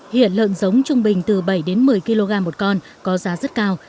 hiện lợn giống trung bình từ bảy đến một mươi kg một con có giá rất cao